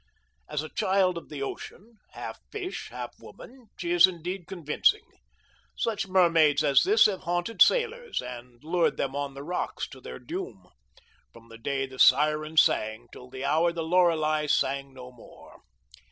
As a child of the ocean, half fish, half woman, she is indeed convincing. Such mermaids as this have haunted sailors, and lured them on the rocks to their doom, from the day the siren sang till the hour the Lorelei sang no more.